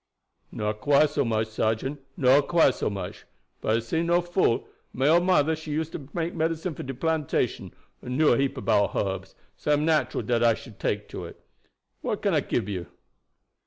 "Not quite so much, sergeant, not quite so much; but I'se no fool, and my old mother she 'used to make medicine for de plantation and knew a heap about herbs, so it am natural dat I should take to it. What can I gib you?"